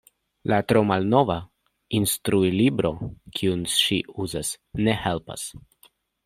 La tromalnova instrulibro, kiun ŝi uzas, ne helpas.